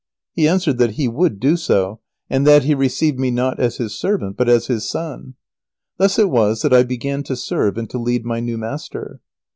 He answered that he would do so, and that he received me not as his servant but as his son. Thus it was that I began to serve and to lead my new master.